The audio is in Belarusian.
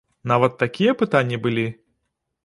Нават такія пытанні былі?